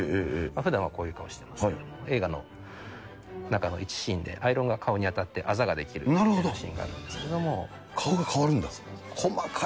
ふだんはこういう顔してますけど、映画の中の一シーンで、アイロンが顔に当たってあざが出来るというシーンがあるんですけ顔が変わるんですか？